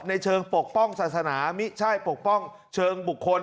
ในเชิงปกป้องศาสนามิใช่ปกป้องเชิงบุคคล